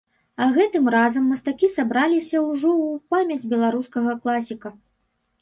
А гэтым разам мастакі сабраліся ўжо ў памяць беларускага класіка.